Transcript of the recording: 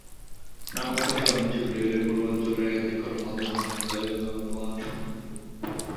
নাম প্রকাশে অনিচ্ছুক রেলওয়ে পূর্বাঞ্চলের একাধিক কর্মকর্তা সংস্কারকাজের গুণগত মান নিয়ে প্রশ্ন তুলেছেন।